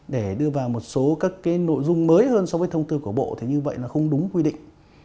để đưa vào một số các cái nội dung mới hơn so với thông tư của bộ thì như vậy là không đúng quy định